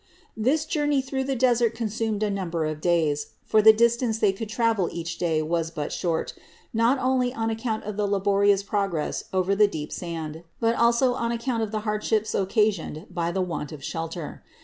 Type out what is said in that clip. This journey through the desert consumed a number of days, for the distance they could travel each day was but short, not only on account of the laborious progress over the deep sand, but also on account of the hardships occa sioned by the want of shelter.